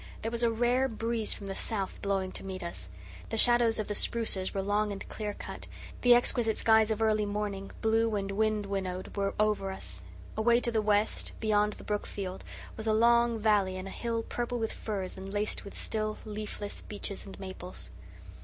There was a rare breeze from the south blowing to meet us; the shadows of the spruces were long and clear cut; the exquisite skies of early morning, blue and wind winnowed, were over us; away to the west, beyond the brook field, was a long valley and a hill purple with firs and laced with still leafless beeches and maples.